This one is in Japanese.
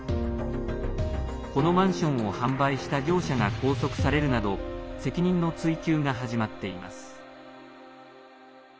このマンションを販売した業者が拘束されるなど責任の追及が始まっています。